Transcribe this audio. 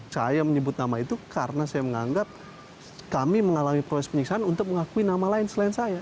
saya menyebut nama itu karena saya menganggap kami mengalami proses penyiksaan untuk mengakui nama lain selain saya